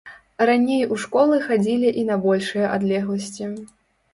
Раней у школы хадзілі і на большыя адлегласці.